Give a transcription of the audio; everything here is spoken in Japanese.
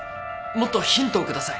もっとヒントを下さい。